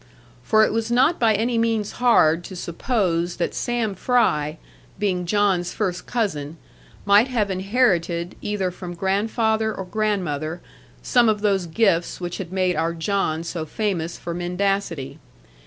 For it was not by any means hard to suppose that Sam Fry, being John's first cousin, might have inherited either from grandfather or grandmother some of those gifts which had made our John so famous for mendacity.